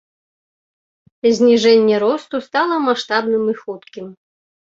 Зніжэнне росту стала маштабным і хуткім.